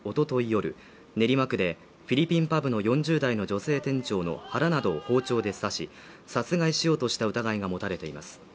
夜練馬区でフィリピンパブの４０代の女性店長の腹などを包丁で刺し殺害しようとした疑いが持たれています。